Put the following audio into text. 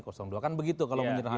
kan begitu kalau menyerahkan